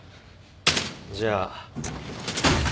じゃあ。